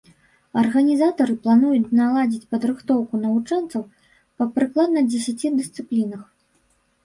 Арганізатары плануюць наладзіць падрыхтоўку навучэнцаў па прыкладна дзесяці дысцыплінах.